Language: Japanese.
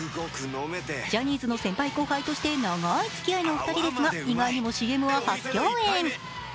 ジャニーズの先輩後輩として長い付き合いのお二人ですが意外にもＣＭは初共演。